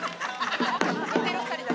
似てる２人だ。